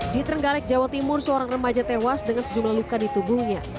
di trenggalek jawa timur seorang remaja tewas dengan sejumlah luka di tubuhnya